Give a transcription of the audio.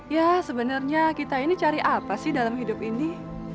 ya sebenarnya kita ini cari apa sih dalam hidup ini